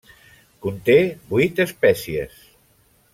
Conté vuit espècies.